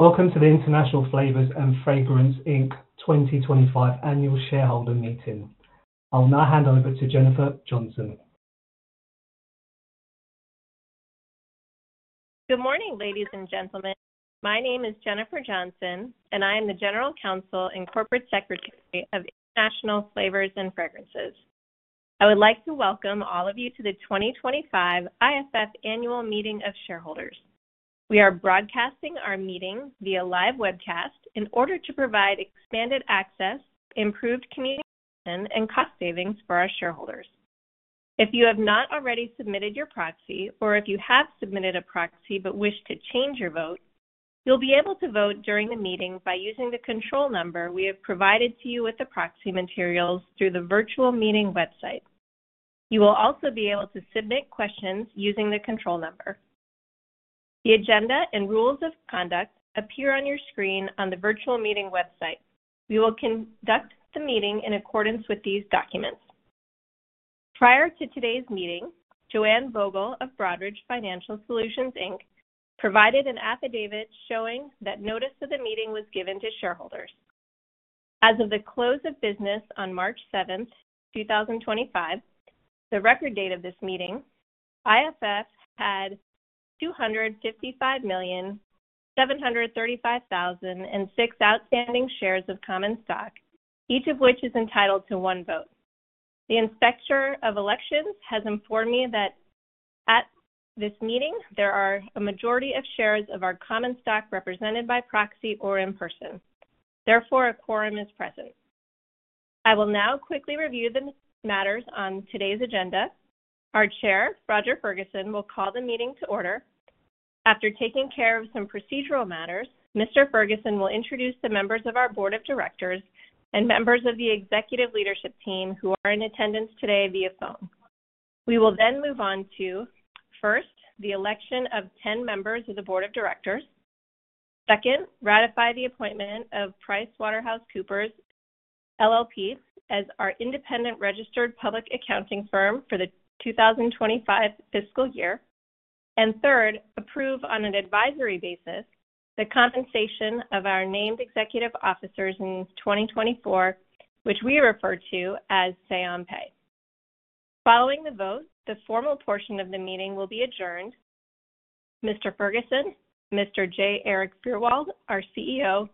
Welcome to the International Flavors & Fragrances 2025 Annual Shareholder Meeting. I'll now hand over to Jennifer Johnson. Good morning, ladies and gentlemen. My name is Jennifer Johnson, and I am the General Counsel and Corporate Secretary of International Flavors & Fragrances. I would like to welcome all of you to the 2025 IFF Annual Meeting of Shareholders. We are broadcasting our meeting via live webcast in order to provide expanded access, improved communication, and cost savings for our shareholders. If you have not already submitted your proxy, or if you have submitted a proxy but wish to change your vote, you'll be able to vote during the meeting by using the control number we have provided to you with the proxy materials through the virtual meeting website. You will also be able to submit questions using the control number. The agenda and rules of conduct appear on your screen on the virtual meeting website. We will conduct the meeting in accordance with these documents. Prior to today's meeting, Joanne Vogel of Broadridge Financial Solutions, Inc provided an affidavit showing that notice of the meeting was given to shareholders. As of the close of business on March 7, 2025, the record date of this meeting, IFF had 255,735,006 outstanding shares of common stock, each of which is entitled to one vote. The Inspector of Elections has informed me that at this meeting there are a majority of shares of our common stock represented by proxy or in person. Therefore, a quorum is present. I will now quickly review the matters on today's agenda. Our Chair, Roger Ferguson, will call the meeting to order. After taking care of some procedural matters, Mr. Ferguson will introduce the members of our Board of Directors and members of the executive leadership team who are in attendance today via phone. We will then move on to, first, the election of 10 members of the Board of Directors. Second, ratify the appointment of PricewaterhouseCoopers LLP as our independent registered public accounting firm for the 2025 fiscal year. Third, approve on an advisory basis the compensation of our named executive officers in 2024, which we refer to as Say-on-Pay. Following the vote, the formal portion of the meeting will be adjourned. Mr. Ferguson, Mr. J. Erik Fyrwald, our CEO,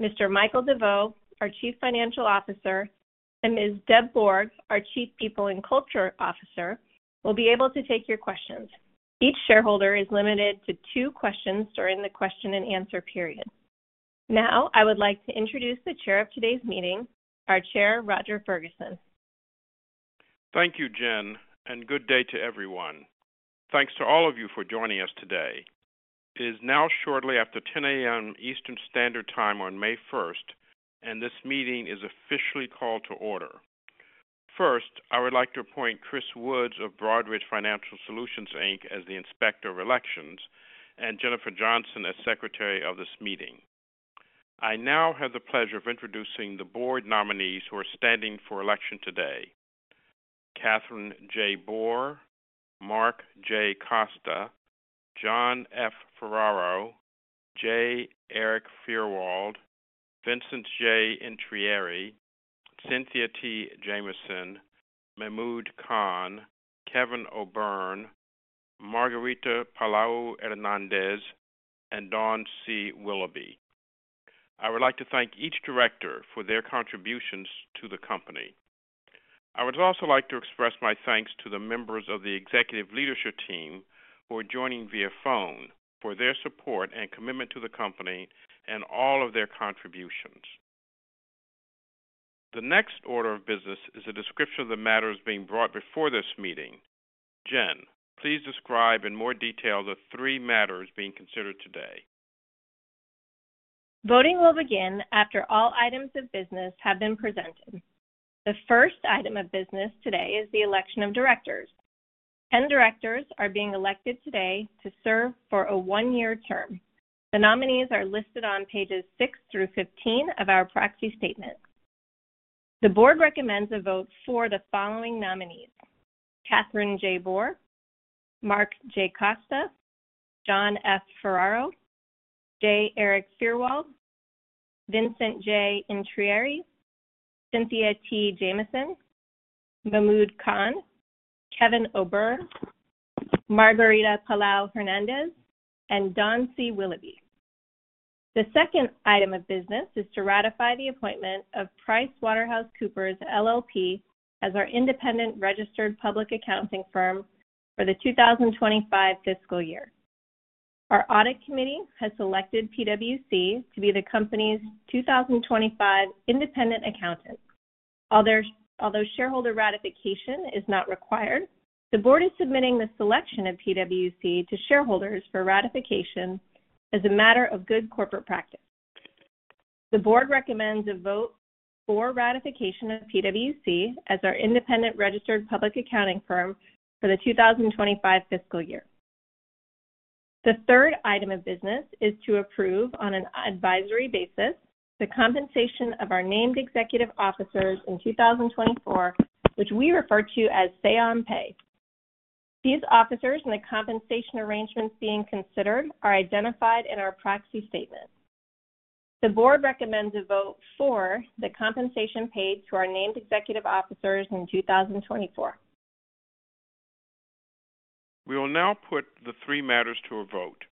Mr. Michael DeVeau, our Chief Financial Officer, and Ms. Deb Borg, our Chief People and Culture Officer, will be able to take your questions. Each shareholder is limited to two questions during the question and answer period. Now, I would like to introduce the Chair of today's meeting, our Chair, Roger Ferguson. Thank you, Jen, and good day to everyone. Thanks to all of you for joining us today. It is now shortly after 10:00 A.M. Eastern Standard Time on May 1st, and this meeting is officially called to order. First, I would like to appoint Chris Wood of Broadridge Financial Solutions as the Inspector of Elections and Jennifer Johnson as Secretary of this meeting. I now have the pleasure of introducing the board nominees who are standing for election today: Kathryn J. Boor, Mark J. Costa, John F. Ferraro, J. Erik Fyrwald, Vincent J. Intrieri, Cynthia T. Jamison, Mehmood Khan, Kevin O'Byrne, Margarita Paláu-Hernández, and Dawn C. Willoughby. I would like to thank each director for their contributions to the company. I would also like to express my thanks to the members of the executive leadership team who are joining via phone for their support and commitment to the company and all of their contributions. The next order of business is a description of the matters being brought before this meeting. Jen, please describe in more detail the three matters being considered today. Voting will begin after all items of business have been presented. The first item of business today is the election of directors. Ten directors are being elected today to serve for a one-year term. The nominees are listed on pages 6 through 15 of our proxy statement. The board recommends a vote for the following nominees: Kathryn J. Boor, Mark J. Costa, John F. Ferraro, J. Erik Fyrwald, Vincent J. Intrieri, Cynthia T. Jamison, Mehmood Khan, Kevin O'Byrne, Margarita Paláu-Hernández, and Dawn C. Willoughby. The second item of business is to ratify the appointment of PricewaterhouseCoopers LLP as our independent registered public accounting firm for the 2025 fiscal year. Our audit committee has selected PwC to be the company's 2025 independent accountant. Although shareholder ratification is not required, the board is submitting the selection of PwC to shareholders for ratification as a matter of good corporate practice. The board recommends a vote for ratification of PwC as our independent registered public accounting firm for the 2025 fiscal year. The third item of business is to approve, on an advisory basis, the compensation of our named executive officers in 2024, which we refer to as Say-on-Pay. These officers and the compensation arrangements being considered are identified in our proxy statement. The board recommends a vote for the compensation paid to our named executive officers in 2024. We will now put the three matters to a vote.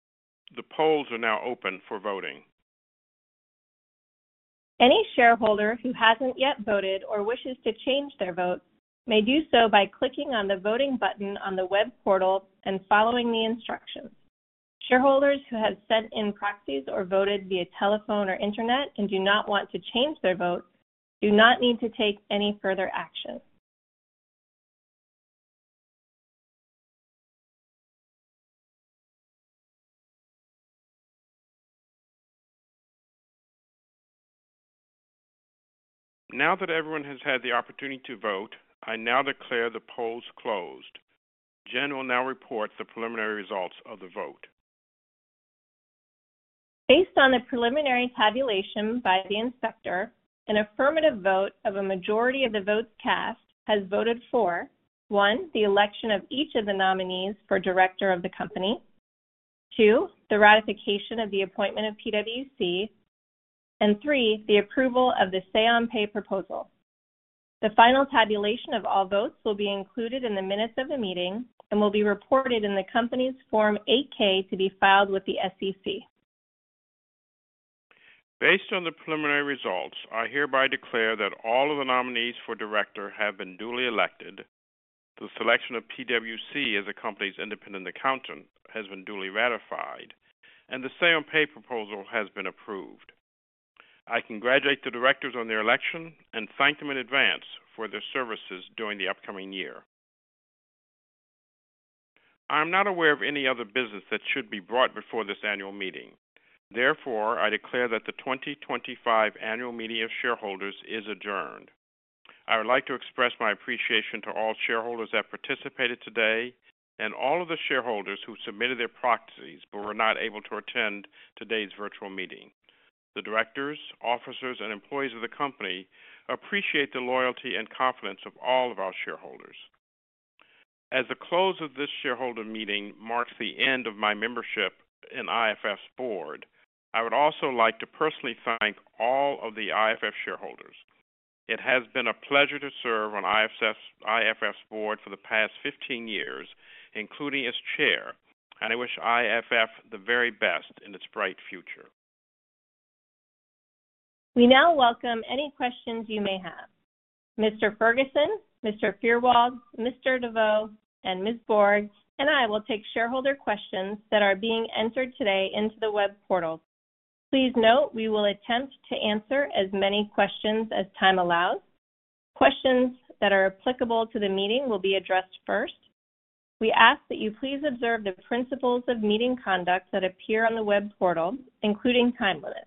The polls are now open for voting. Any shareholder who hasn't yet voted or wishes to change their vote may do so by clicking on the voting button on the web portal and following the instructions. Shareholders who have sent in proxies or voted via telephone or internet and do not want to change their vote do not need to take any further action. Now that everyone has had the opportunity to vote, I now declare the polls closed. Jen will now report the preliminary results of the vote. Based on the preliminary tabulation by the Inspector, an affirmative vote of a majority of the votes cast has voted for: one, the election of each of the nominees for director of the company; two, the ratification of the appointment of PwC; and three, the approval of the Say-on-Pay proposal. The final tabulation of all votes will be included in the minutes of the meeting and will be reported in the company's Form 8-K to be filed with the SEC. Based on the preliminary results, I hereby declare that all of the nominees for director have been duly elected, the selection of PwC as the company's independent accountant has been duly ratified, and the Say-on-Pay proposal has been approved. I congratulate the directors on their election and thank them in advance for their services during the upcoming year. I am not aware of any other business that should be brought before this annual meeting. Therefore, I declare that the 2025 annual meeting of shareholders is adjourned. I would like to express my appreciation to all shareholders that participated today and all of the shareholders who submitted their proxies but were not able to attend today's virtual meeting. The directors, officers, and employees of the company appreciate the loyalty and confidence of all of our shareholders. As the close of this shareholder meeting marks the end of my membership in IFF's board, I would also like to personally thank all of the IFF shareholders. It has been a pleasure to serve on IFF's board for the past 15 years, including as chair, and I wish IFF the very best in its bright future. We now welcome any questions you may have. Mr. Ferguson, Mr. Fyrwald, Mr. DeVeau, Ms. Borg, and I will take shareholder questions that are being entered today into the web portal. Please note we will attempt to answer as many questions as time allows. Questions that are applicable to the meeting will be addressed first. We ask that you please observe the principles of meeting conduct that appear on the web portal, including time limits.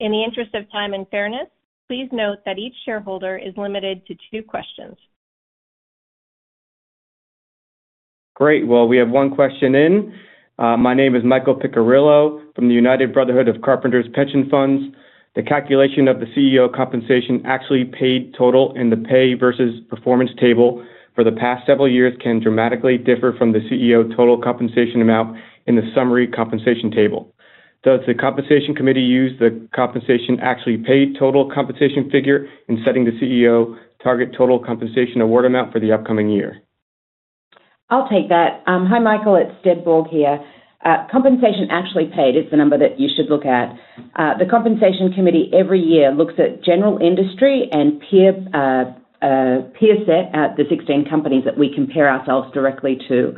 In the interest of time and fairness, please note that each shareholder is limited to two questions. Great. We have one question in. My name is Michael Piccirillo from the United Brotherhood of Carpenters Pension Funds. The calculation of the CEO compensation actually paid total in the pay versus performance table for the past several years can dramatically differ from the CEO total compensation amount in the summary compensation table. Does the compensation committee use the compensation actually paid total compensation figure in setting the CEO target total compensation award amount for the upcoming year? I'll take that. Hi, Michael. It's Deb Borg here. Compensation actually paid is the number that you should look at. The compensation committee every year looks at general industry and peer set out the 16 companies that we compare ourselves directly to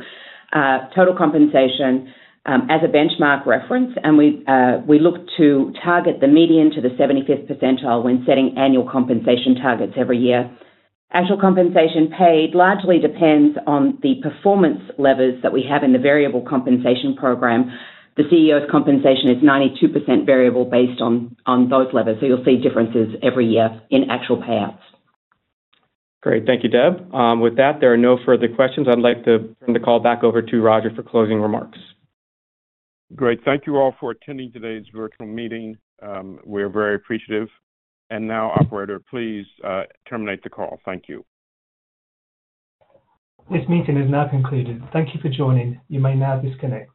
total compensation as a benchmark reference, and we look to target the median to the 75th percentile when setting annual compensation targets every year. Actual compensation paid largely depends on the performance levers that we have in the variable compensation program. The CEO's compensation is 92% variable based on those levers, so you'll see differences every year in actual payouts. Great. Thank you, Deb. With that, there are no further questions. I'd like to turn the call back over to Roger for closing remarks. Great. Thank you all for attending today's virtual meeting. We are very appreciative. Operator, please terminate the call. Thank you. This meeting is now concluded. Thank you for joining. You may now disconnect.